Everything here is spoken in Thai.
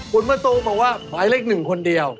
คุณเมอร์โตบอกว่าหมายเลขหนึ่งคนเดียว